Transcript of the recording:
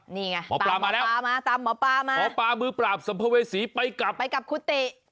นี่ไงตามหมอปลามาแล้วหมอปลามือปราบสัมภเวษีไปกับคุติ